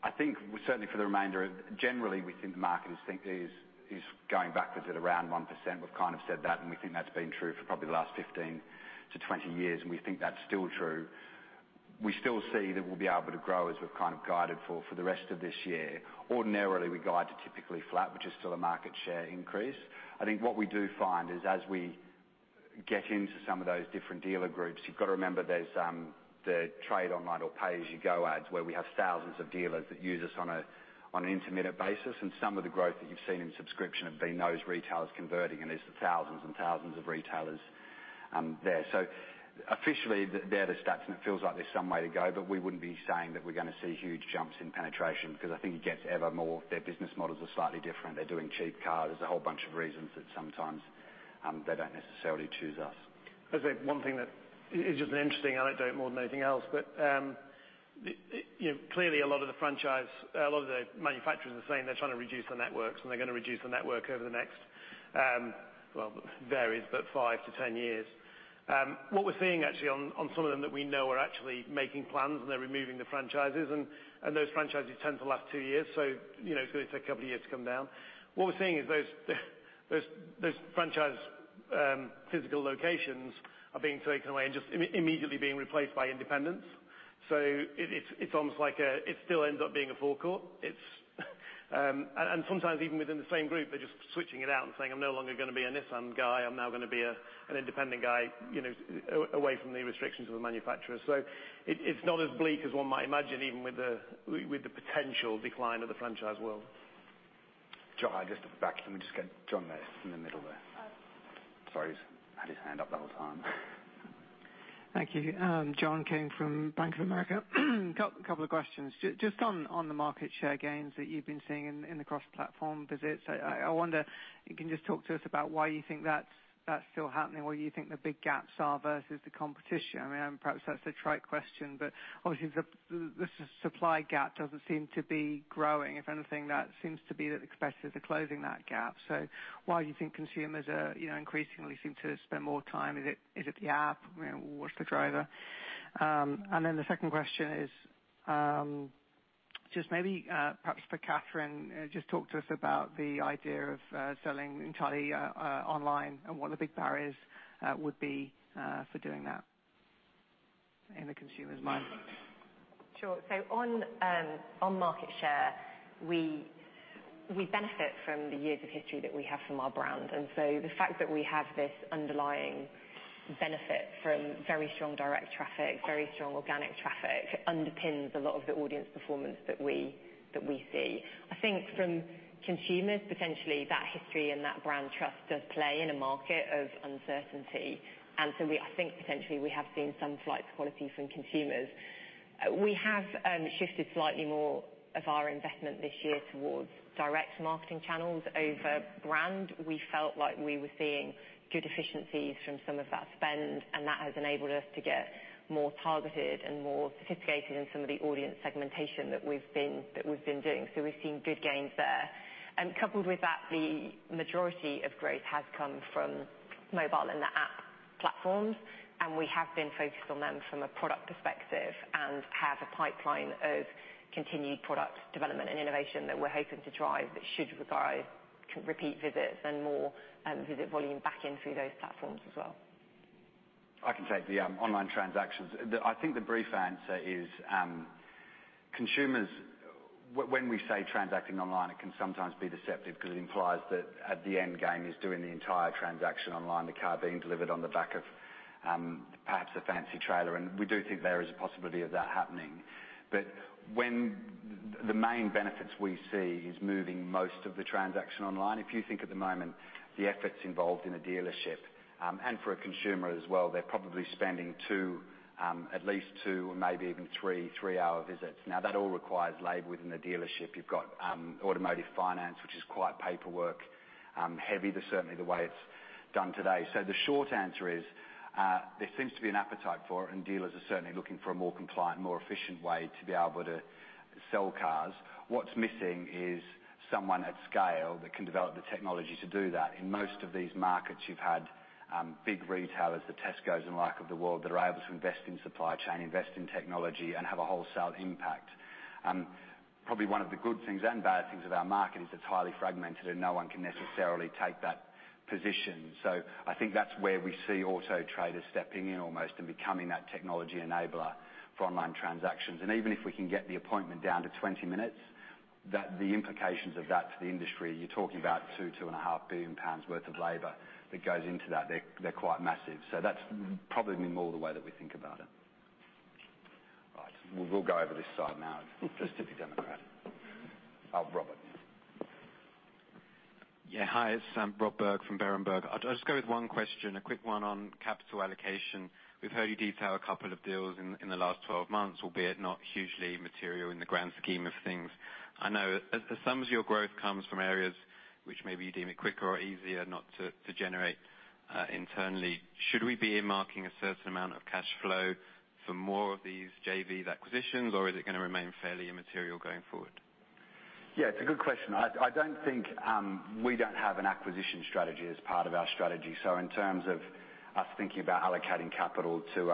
I think generally we think the market is going backwards at around 1%. We've kind of said that, and we think that's been true for probably the last 15 to 20 years, and we think that's still true. We still see that we'll be able to grow as we've kind of guided for the rest of this year. Ordinarily, we guide to typically flat, which is still a market share increase. I think what we do find is as we get into some of those different dealer groups, you've got to remember there's the trade online or pay as you go ads, where we have thousands of dealers that use us on an intermittent basis. Some of the growth that you've seen in subscription have been those retailers converting, and there's thousands and thousands of retailers there. Officially, they're the stats, and it feels like there's some way to go. We wouldn't be saying that we're going to see huge jumps in penetration, because I think you get to ever more, their business models are slightly different. They're doing cheap cars. There's a whole bunch of reasons that sometimes they don't necessarily choose us. I'd say one thing that is just interesting, an anecdote more than anything else, but clearly a lot of the manufacturers are saying they're trying to reduce the networks, and they're going to reduce the network over the next, well, it varies, but five to 10 years. What we're seeing actually on some of them that we know are actually making plans, and they're removing the franchises. Those franchises tend to last two years, so it's going to take a couple of years to come down. What we're seeing is those franchise physical locations are being taken away and just immediately being replaced by independents. It still ends up being a forecourt. Sometimes even within the same group, they're just switching it out and saying, "I'm no longer going to be a Nissan guy. I'm now going to be an independent guy, away from the restrictions of the manufacturer. It's not as bleak as one might imagine, even with the potential decline of the franchise world. John, just at the back. Can we just get John there in the middle there? Sorry, he has had his hand up the whole time. Thank you. John King from Bank of America. Couple of questions. Just on the market share gains that you've been seeing in the cross-platform visits, I wonder, can you just talk to us about why you think that's still happening, or you think the big gaps are versus the competition? Perhaps that's a trite question, but obviously the supply gap doesn't seem to be growing. If anything, that seems to be that expresses the closing that gap. Why do you think consumers are increasingly seem to spend more time? Is it the app? What's the driver? The second question is Just maybe, perhaps for Catherine, just talk to us about the idea of selling entirely online and what the big barriers would be for doing that in the consumer's mind? Sure. On market share, we benefit from the years of history that we have from our brand. The fact that we have this underlying benefit from very strong direct traffic, very strong organic traffic, underpins a lot of the audience performance that we see. I think from consumers, potentially, that history and that brand trust does play in a market of uncertainty. I think potentially we have seen some flight quality from consumers. We have shifted slightly more of our investment this year towards direct marketing channels over brand. We felt like we were seeing good efficiencies from some of that spend, and that has enabled us to get more targeted and more sophisticated in some of the audience segmentation that we've been doing. We've seen good gains there. Coupled with that, the majority of growth has come from mobile and the app platforms, and we have been focused on them from a product perspective, and have a pipeline of continued product development and innovation that we're hoping to drive, that should drive repeat visits and more visit volume back in through those platforms as well. I can take the online transactions. I think the brief answer is, consumers, when we say transacting online, it can sometimes be deceptive because it implies that at the end game is doing the entire transaction online, the car being delivered on the back of perhaps a fancy trailer, and we do think there is a possibility of that happening. The main benefits we see is moving most of the transaction online. If you think at the moment, the efforts involved in a dealership, and for a consumer as well, they're probably spending at least two or maybe even three three-hour visits. Now that all requires labor within the dealership. You've got automotive finance, which is quite paperwork heavy, certainly the way it's done today. The short answer is, there seems to be an appetite for it, and dealers are certainly looking for a more compliant, more efficient way to be able to sell cars. What's missing is someone at scale that can develop the technology to do that. In most of these markets, you've had big retailers, the Tescos and like of the world, that are able to invest in supply chain, invest in technology, and have a wholesale impact. Probably one of the good things and bad things about market is it's highly fragmented and no one can necessarily take that position. I think that's where we see Auto Trader stepping in almost and becoming that technology enabler for online transactions. Even if we can get the appointment down to 20 minutes, the implications of that to the industry, you're talking about 2 billion pounds, GBP 2.5 billion worth of labor that goes into that. They're quite massive. That's probably more the way that we think about it. Right. We will go over this side now just to be democratic. Robert. Yeah. Hi, it's Robert Berg from Berenberg. I'll just go with one question, a quick one on capital allocation. We've heard you detail a couple of deals in the last 12 months, albeit not hugely material in the grand scheme of things. I know some of your growth comes from areas which maybe you deem it quicker or easier not to generate internally. Should we be earmarking a certain amount of cash flow for more of these JV acquisitions, or is it going to remain fairly immaterial going forward? Yeah. It's a good question. We don't have an acquisition strategy as part of our strategy. In terms of us thinking about allocating capital to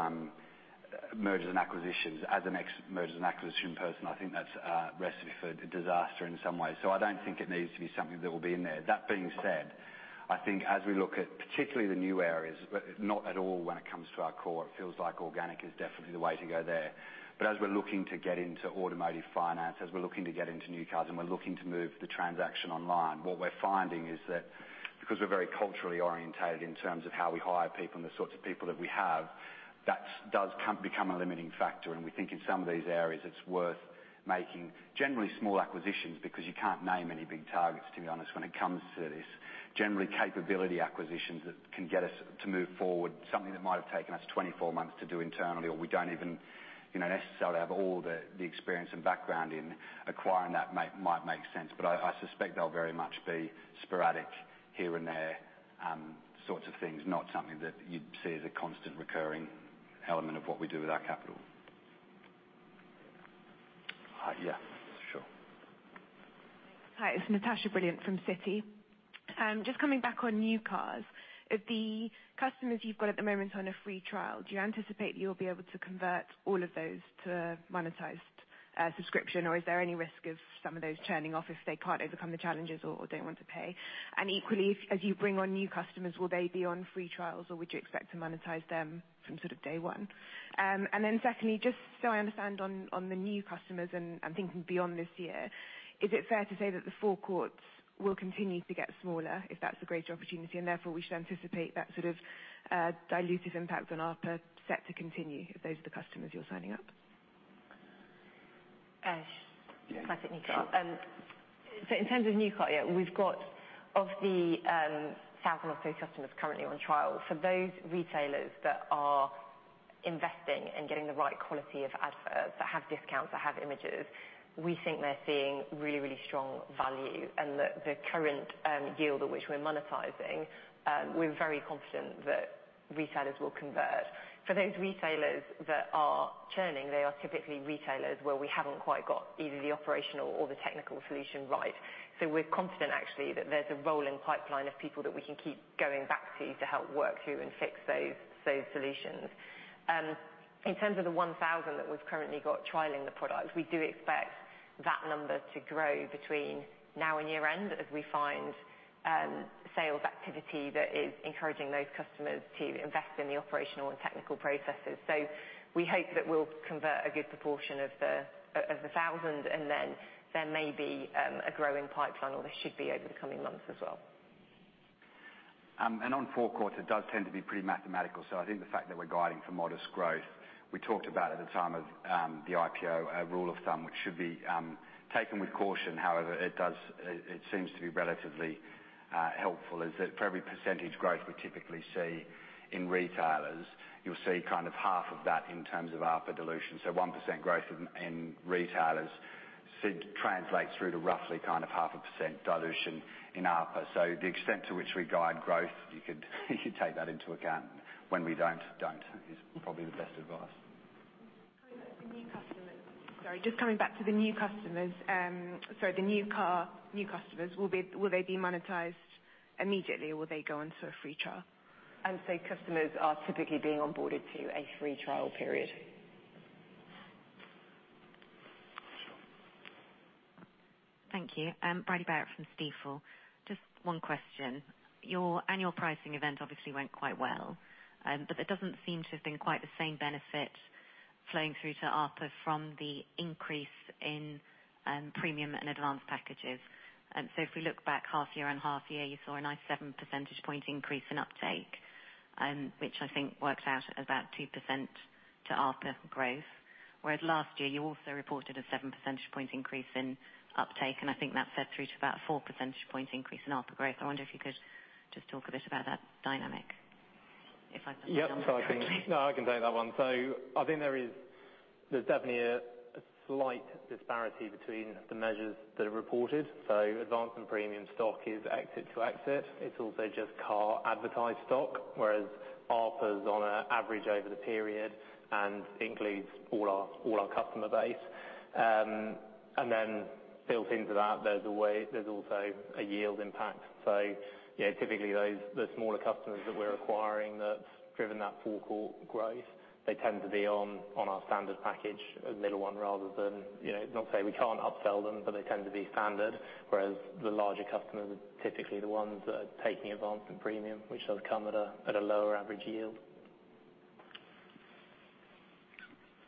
mergers and acquisitions, as an ex mergers and acquisition person, I think that's a recipe for disaster in some ways. I don't think it needs to be something that will be in there. That being said, I think as we look at particularly the new areas, not at all when it comes to our core, it feels like organic is definitely the way to go there. As we're looking to get into automotive finance, as we're looking to get into new cars, and we're looking to move the transaction online, what we're finding is that because we're very culturally orientated in terms of how we hire people and the sorts of people that we have, that does become a limiting factor. We think in some of these areas, it's worth making generally small acquisitions because you can't name any big targets, to be honest, when it comes to this. Generally capability acquisitions that can get us to move forward, something that might have taken us 24 months to do internally, or we don't even necessarily have all the experience and background in acquiring that might make sense. I suspect they'll very much be sporadic here and there sorts of things, not something that you'd see as a constant recurring element of what we do with our capital. Yeah, sure. Hi, it's Natasha Brilliant from Citi. Just coming back on new cars. Of the customers you've got at the moment on a free trial, do you anticipate that you'll be able to convert all of those to a monetized subscription, or is there any risk of some of those churning off if they can't overcome the challenges or don't want to pay? Equally, as you bring on new customers, will they be on free trials, or would you expect to monetize them from sort of day one? Secondly, just so I understand on the new customers and thinking beyond this year, is it fair to say that the forecourts will continue to get smaller if that's the greatest opportunity, and therefore we should anticipate that sort of dilutive impact on ARPA to continue if those are the customers you're signing up? Ash. Yeah. In terms of new car, yeah. We've got of the 1,000 or so customers currently on trial, for those retailers that are investing in getting the right quality of adverts that have discounts, that have images, we think they're seeing really, really strong value, and that the current yield at which we're monetizing, we're very confident that retailers will convert. For those retailers that are churning, they are typically retailers where we haven't quite got either the operational or the technical solution right. We're confident actually that there's a rolling pipeline of people that we can keep going back to help work through and fix those solutions. In terms of the 1,000 that we've currently got trialing the product, we do expect that number to grow between now and year-end as we find sales activity that is encouraging those customers to invest in the operational and technical processes. We hope that we'll convert a good proportion of the 1,000, and then there may be a growing pipeline, or there should be over the coming months as well. On forecourts, it does tend to be pretty mathematical. I think the fact that we're guiding for modest growth, we talked about at the time of the IPO, a rule of thumb, which should be taken with caution, however, it seems to be relatively helpful, is that for every percentage growth we typically see in retailers, you'll see half of that in terms of ARPA dilution. 1% growth in retailers should translate through to roughly 0.5% dilution in ARPA. The extent to which we guide growth, you could take that into account. When we don't, is probably the best advice. Coming back to the new customers. Sorry, just coming back to the new customers. Sorry, the new car, new customers. Will they be monetized immediately, or will they go onto a free trial? I would say customers are typically being onboarded to a free trial period. Thank you. Bridie Barrett from Stifel. Just one question. Your annual pricing event obviously went quite well. There doesn't seem to have been quite the same benefit flowing through to ARPA from the increase in premium and advanced packages. If we look back half year and half year, you saw a nice seven percentage point increase in uptake, which I think works out at about 2% to ARPA growth. Whereas last year you also reported a seven percentage point increase in uptake, and I think that fed through to about a four percentage point increase in ARPA growth. I wonder if you could just talk a bit about that dynamic. Yep. that correctly. No, I can take that one. I think there's definitely a slight disparity between the measures that are reported. Advanced and Premium stock is exit to exit. It's also just car advertised stock, whereas ARPA is on an average over the period and includes all our customer base. Built into that, there's also a yield impact. Typically the smaller customers that we're acquiring that's driven that forecourt growth, they tend to be on our standard package, a middle one rather than, not saying we can't upsell them, but they tend to be standard. Whereas the larger customers are typically the ones that are taking Advanced and Premium, which does come at a lower average yield.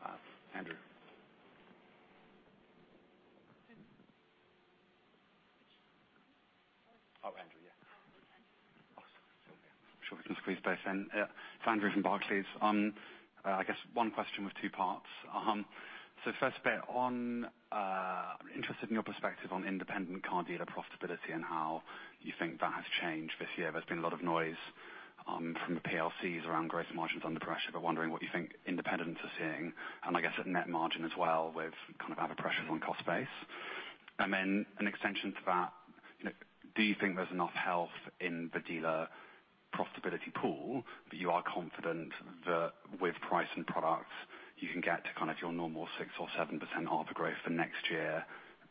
Andrew. Oh, Andrew, yeah. Oh, sorry. Sure we can squeeze both in. It's Andrew from Barclays. I guess one question with two parts. First bit, I'm interested in your perspective on independent car dealer profitability and how you think that has changed this year. There's been a lot of noise from the PLCs around gross margins under pressure, but wondering what you think independents are seeing. And I guess at net margin as well, with kind of other pressures on cost base. An extension to that, do you think there's enough health in the dealer profitability pool that you are confident that with price and products, you can get to your normal 6% or 7% ARPA growth for next year,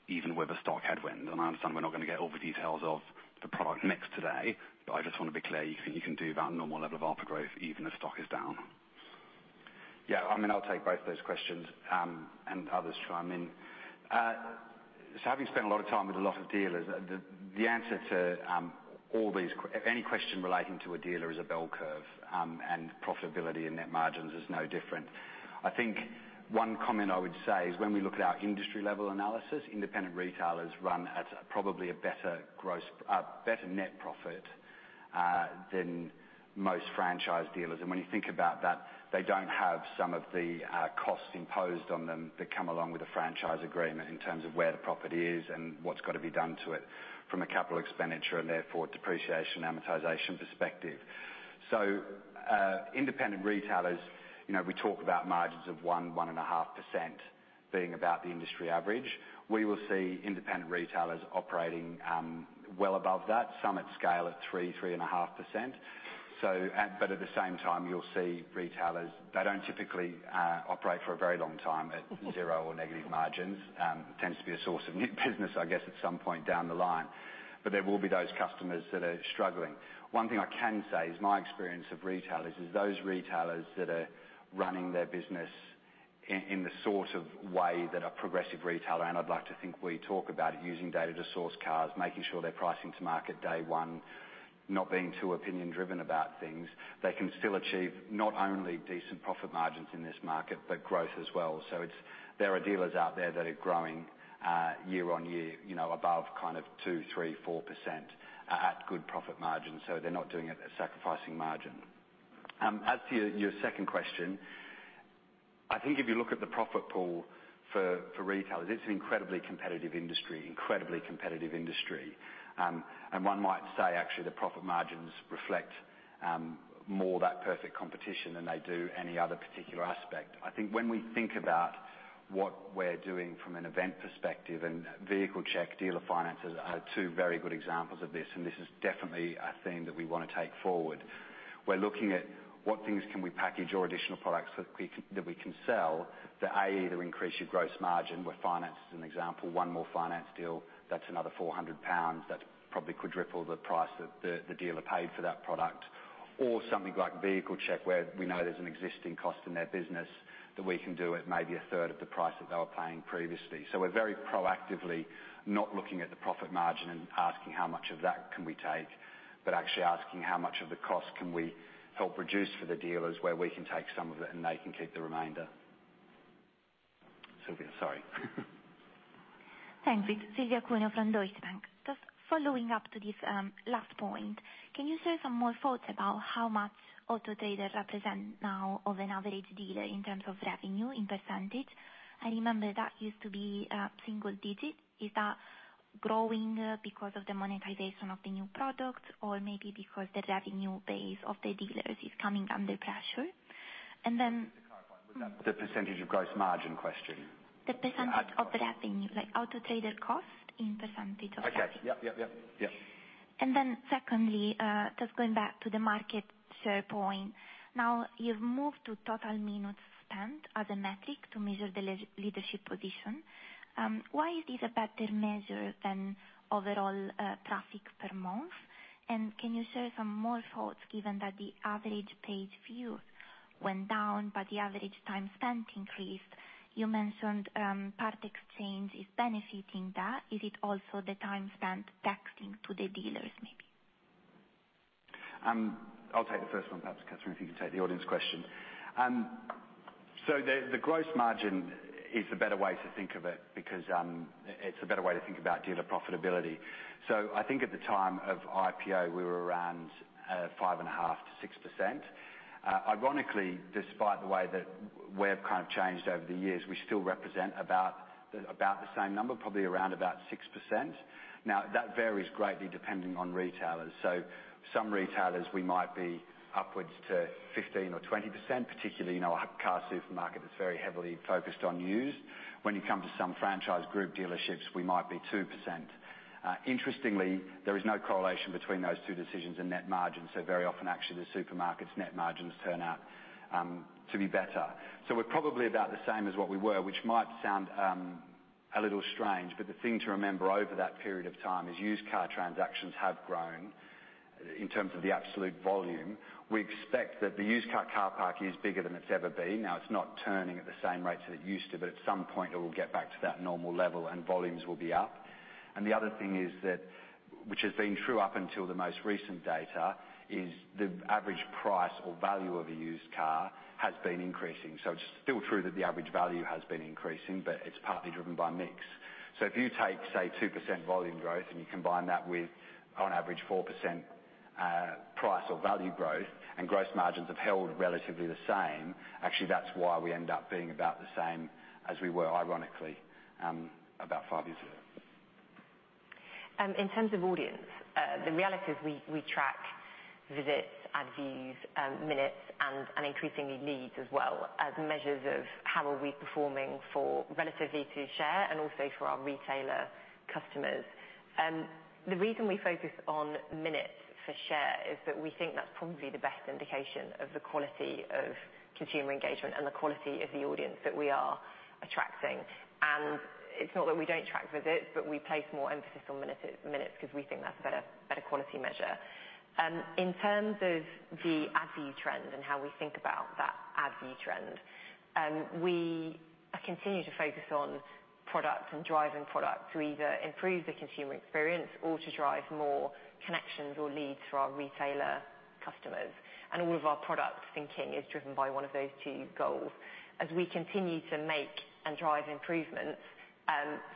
even with a stock headwind? I understand we're not going to get all the details of the product mix today, but I just want to be clear you think you can do that normal level of ARPA growth even if stock is down? I mean, I'll take both those questions, and others chime in. Having spent a lot of time with a lot of dealers, the answer to any question relating to a dealer is a bell curve, and profitability and net margins is no different. I think one comment I would say is when we look at our industry level analysis, independent retailers run at probably a better net profit than most franchise dealers. When you think about that, they don't have some of the costs imposed on them that come along with a franchise agreement in terms of where the property is and what's got to be done to it from a capital expenditure and therefore depreciation, amortization perspective. Independent retailers, we talk about margins of 1%, 1.5% being about the industry average. We will see independent retailers operating well above that, some at scale of 3%, 3.5%. At the same time, you'll see retailers that don't typically operate for a very long time at zero or negative margins. Tends to be a source of new business, I guess, at some point down the line. There will be those customers that are struggling. One thing I can say is my experience of retailers is those retailers that are running their business in the sort of way that a progressive retailer, and I'd like to think we talk about using data to source cars, making sure they're pricing to market day one, not being too opinion driven about things. They can still achieve not only decent profit margins in this market, but growth as well. There are dealers out there that are growing year on year above 2%, 3%, 4% at good profit margins. They are not doing it at sacrificing margin. As to your second question, I think if you look at the profit pool for retailers, it's an incredibly competitive industry. One might say, actually, the profit margins reflect more that perfect competition than they do any other particular aspect. When we think about what we are doing from an event perspective and Vehicle Check, dealer finances are two very good examples of this, and this is definitely a theme that we want to take forward. We are looking at what things can we package or additional products that we can sell that, A, either increase your gross margin, with finance as an example. One more finance deal, that is another £400. That probably could ripple the price that the dealer paid for that product. Something like Vehicle Check, where we know there's an existing cost in their business that we can do at maybe a third of the price that they were paying previously. We're very proactively not looking at the profit margin and asking how much of that can we take, but actually asking how much of the cost can we help reduce for the dealers, where we can take some of it and they can keep the remainder. Silvia, sorry. Thanks. It's Silvia Cuneo from Deutsche Bank. Just following up to this last point, can you share some more thoughts about how much Auto Trader represent now of an average dealer in terms of revenue in percentage? I remember that used to be single digit. Is that growing because of the monetization of the new product, or maybe because the revenue base of the dealers is coming under pressure? Just to clarify, was that the percentage of gross margin question? The % of the revenue, like Auto Trader cost in % of that. Okay. Yep. Secondly, just going back to the market share point. Now, you've moved to total minutes spent as a metric to measure the leadership position. Why is this a better measure than overall traffic per month? Can you share some more thoughts given that the average page view went down but the average time spent increased? You mentioned part-exchange is benefiting that. Is it also the time spent taxing to the dealers maybe? I'll take the first one, perhaps, Catherine, if you can take the audience question. The gross margin is a better way to think of it, because it's a better way to think about dealer profitability. I think at the time of IPO, we were around 5.5%-6%. Ironically, despite the way that we've kind of changed over the years, we still represent about the same number, probably around about 6%. That varies greatly depending on retailers. Some retailers, we might be upwards to 15%-20%, particularly in our car supermarket that's very heavily focused on used. When you come to some franchise group dealerships, we might be 2%. Interestingly, there is no correlation between those two decisions in net margin. Very often, actually, the supermarket's net margins turn out to be better. We're probably about the same as what we were, which might sound a little strange, but the thing to remember over that period of time is used car transactions have grown in terms of the absolute volume. We expect that the used car car park is bigger than it's ever been. Now, it's not turning at the same rates that it used to, but at some point it will get back to that normal level and volumes will be up. The other thing is that, which has been true up until the most recent data, is the average price or value of a used car has been increasing. It's still true that the average value has been increasing, but it's partly driven by mix. If you take, say, 2% volume growth and you combine that with on average 4% price or value growth, and gross margins have held relatively the same, actually, that's why we end up being about the same as we were, ironically, about five years ago. In terms of audience, the reality is we track visits, ad views, minutes, and increasingly leads as well as measures of how are we performing for relative to share and also for our retailer customers. The reason we focus on minutes for share is that we think that's probably the best indication of the quality of consumer engagement and the quality of the audience that we are attracting. It's not that we don't track visits, but we place more emphasis on minutes because we think that's a better quality measure. In terms of the ad view trend and how we think about that ad view trend, we continue to focus on products and driving product to either improve the consumer experience or to drive more connections or leads for our retailer customers. All of our product thinking is driven by one of those two goals. As we continue to make and drive improvements,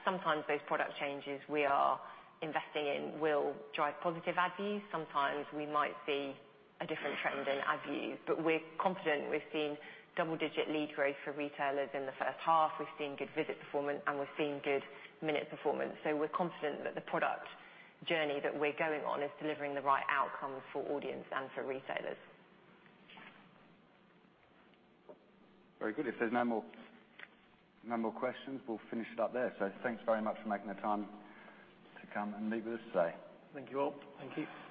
sometimes those product changes we are investing in will drive positive ad views. Sometimes we might see a different trend in ad views, we're confident. We've seen double-digit lead growth for retailers in the first half. We've seen good visit performance, and we've seen good minute performance. We're confident that the product journey that we're going on is delivering the right outcome for audience and for retailers. Very good. If there's no more questions, we'll finish it up there. Thanks very much for making the time to come and meet with us today. Thank you all. Thank you.